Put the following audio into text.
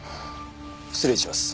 失礼します。